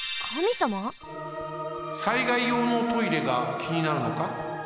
災害用のトイレがきになるのか？